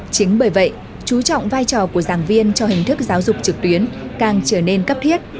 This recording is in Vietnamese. chính bởi vậy chú trọng vai trò của giảng viên cho hình thức giáo dục trực tuyến càng trở nên cấp thiết